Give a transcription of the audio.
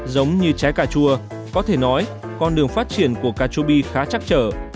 giống như trái cà chua có thể nói con đường phát triển của cà chua bi khá chắc chở